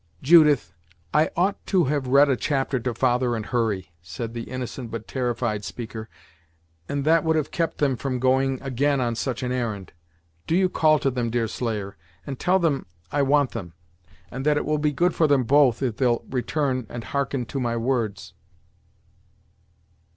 "Judith, I ought to have read a chapter to father and Hurry!" said the innocent but terrified speaker, "and that would have kept them from going again on such an errand. Do you call to them, Deerslayer, and tell them I want them, and that it will be good for them both if they'll return and hearken to my words."